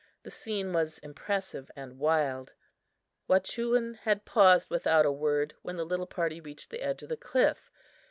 The scene was impressive and wild. Wahchewin had paused without a word when the little party reached the edge of the cliff.